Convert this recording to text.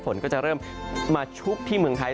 ฝนก็จะเริ่มมาชุกที่เมืองไทย